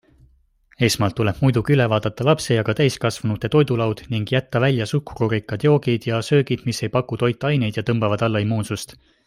Esmalt tuleb muidugi üle vaadata lapse ja ka täiskasvanute toidulaud ning jätta välja suhkrurikkad joogid ja söögid, mis ei paku toitaineid ja tõmbavad alla immuunsust.